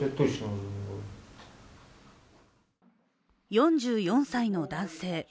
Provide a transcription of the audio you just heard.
４４歳の男性。